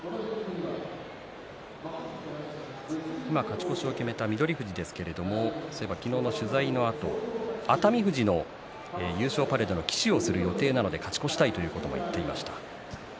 今、勝ち越しを決めた翠富士ですけれども昨日の取材のあと熱海富士の優勝パレードの旗手をする予定なので勝ち越したいとも言っていました。